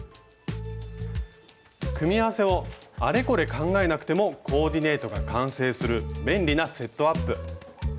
組み合わせをあれこれ考えなくてもコーディネートが完成する便利なセットアップ。